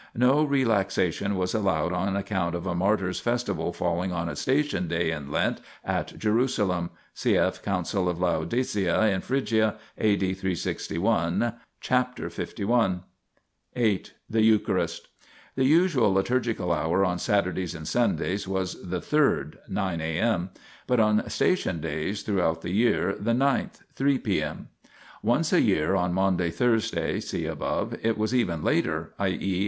No relaxation was allowed on account of a martyr's festival falling on a " Station " day in Lent at Jeru salem : cf. Council of Laodicea in Phrygia (A.D. 361), c. 51. 8. The Eucharist. The usual liturgical hour on Saturdays and Sundays was the third (9 a.m.), but on " Station " days throughout the year the ninth (3 p.m.). Once a year, on Maundy Thursday (see above), it was even later, i.e.